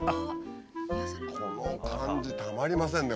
この感じたまりませんね